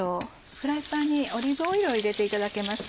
フライパンにオリーブオイルを入れていただけますか？